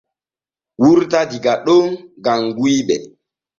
Wurta diga ɗo gam guyɓe.